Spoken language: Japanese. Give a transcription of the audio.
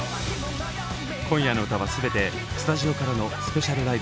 今夜の歌は全てスタジオからのスペシャルライブ！